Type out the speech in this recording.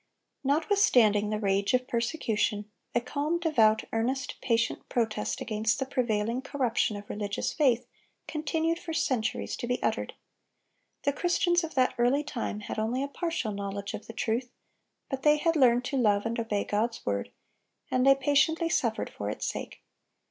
Notwithstanding the rage of persecution, a calm, devout, earnest, patient protest against the prevailing corruption of religious faith continued for centuries to be uttered. The Christians of that early time had only a partial knowledge of the truth, but they had learned to love and obey God's word, and they patiently suffered for its sake.